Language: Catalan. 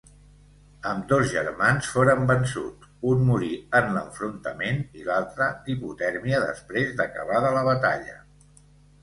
Ambdós germans foren vençuts; un morí en l'enfrontament i l'altre d'hipotèrmia després d'acabada la batalla.